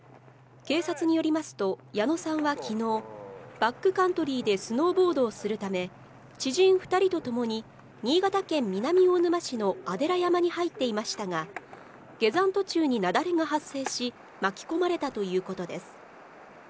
警察によりますと矢野さんは昨日、バックカントリーでスノーボードをするため、知人２人とともに新潟県南魚沼市の阿寺山に入っていましたが、下山途中に雪崩が発生し、巻き込まれたということです。